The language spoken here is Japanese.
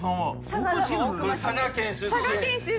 佐賀県出身